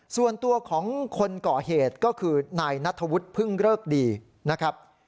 ส่วนตัวของคนก่อเหตุก็คือนายนัทธวุฒิพึ่งเริกดีนะครับ